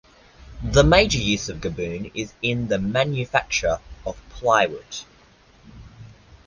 The major use of Gaboon is in the manufacture of plywood.